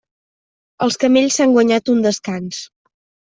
Els camells s'han guanyat un descans.